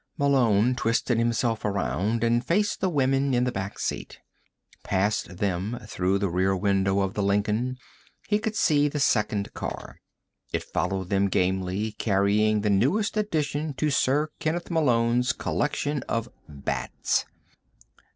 Malone twisted himself around and faced the women in the back seat. Past them, through the rear window of the Lincoln, he could see the second car. It followed them gamely, carrying the newest addition to Sir Kenneth Malone's Collection of Bats.